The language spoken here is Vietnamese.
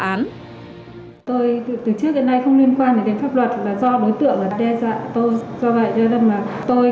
tôi từ trước đến nay không liên quan đến pháp luật là do đối tượng đe dạng tôi